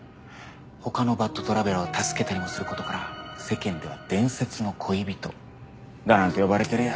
他のバッドトラベラーを助けたりもすることから世間では伝説の恋人なんて呼ばれてるよ。